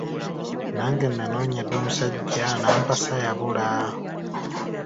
Nange nanoonya dda omusajja anampasa yabula.